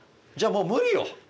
じゃあもう無理よ。